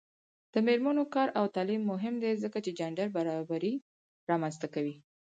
د میرمنو کار او تعلیم مهم دی ځکه چې جنډر برابري رامنځته کوي.